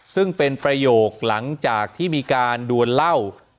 ซึ่งเป็นประโยคหลังจากที่มีการดวนเหล้า